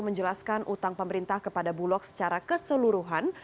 menjelaskan utang pemerintah kepada bulog secara keseluruhan